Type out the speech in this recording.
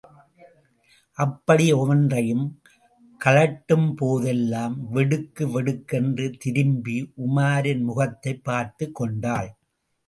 அப்படி ஒவ்வொன்றையும் கழட்டும்போதெல்லாம் வெடுக்கு வெடுக்கென்று திருப்பி உமாரின் முகத்தைப் பார்த்துக் கொண்டாள்.